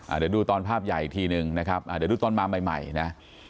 เดี๋ยวดูตอนภาพใหญ่อีกทีหนึ่งนะครับอ่าเดี๋ยวดูตอนมาใหม่ใหม่นะ